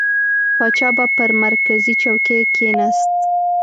پاچا به پر مرکزي چوکۍ کښېنست.